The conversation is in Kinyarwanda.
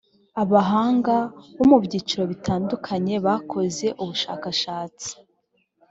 abahanga bo mu byiciro bitandukanye bakoze ubushakashatsi